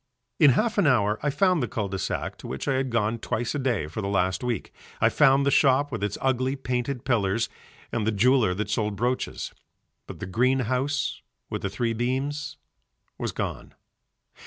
In half an hour I found the cul de sac to which I had gone twice a day for the last week, I found the shop with the ugly painted pillars and the jeweller that sold brooches, but the green house with the three beams was gone.